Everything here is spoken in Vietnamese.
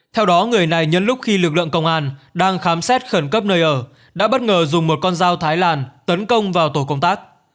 theo đó người này nhân lúc khi lực lượng công an đang khám xét khẩn cấp nơi ở đã bất ngờ dùng một con dao thái lan tấn công vào tổ công tác